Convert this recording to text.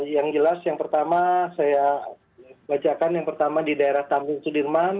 yang jelas yang pertama saya bacakan yang pertama di daerah tamrin sudirman